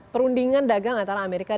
perundingan dagang antara amerika